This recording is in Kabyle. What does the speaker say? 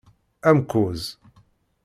Amekkuẓ.